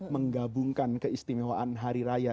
menggabungkan keistimewaan hari raya